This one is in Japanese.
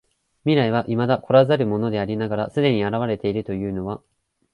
未来は未だ来らざるものでありながら既に現れているというのは、